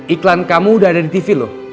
iklan kamu udah ada di tv loh